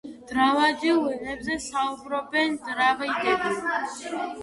დრავიდულ ენებზე საუბრობენ დრავიდები.